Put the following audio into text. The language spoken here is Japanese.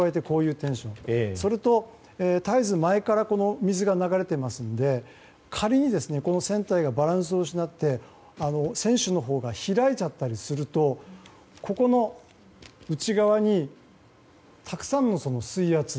それと、絶えず前から水が流れていますので仮にこの船底がバランスを失って船主のほうが開いちゃったりするとここの内側にたくさんの水圧。